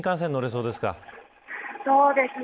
そうですね。